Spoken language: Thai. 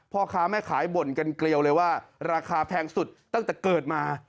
พ่อค้าแม่ขายบ่นกันเกลียวเลยว่าราคาแพงสุดตั้งแต่เกิดมา